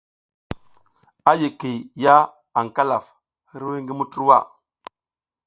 A yikiy ya aƞ Kalaf hiriwiy ngi Muturwa.